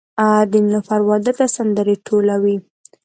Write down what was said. د نیلوفر واده ته سندرې ټولوي